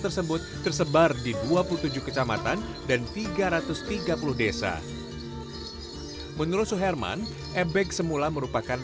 tersebut tersebar di dua puluh tujuh kecamatan dan tiga ratus tiga puluh desa menurut suherman ebek semula merupakan